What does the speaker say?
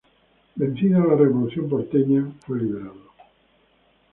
Vencida la revolución porteña, fue liberado.